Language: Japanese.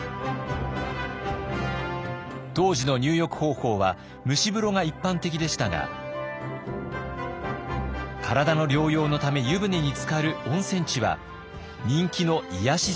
当時の入浴方法は蒸し風呂が一般的でしたが体の療養のため湯船につかる温泉地は人気の癒やし